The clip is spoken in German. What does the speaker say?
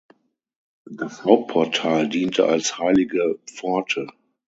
Das Hauptportal diente als "Heilige Pforte".